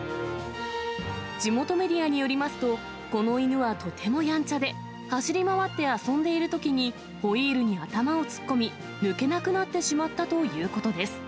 地元メディアによりますと、この犬はとてもやんちゃで、走り回って遊んでいるときにホイールに頭を突っ込み、抜けなくなってしまったということです。